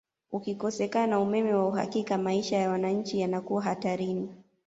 Ukikosekana umeme wa uhakika maisha ya wanachi yanakuwa hatarini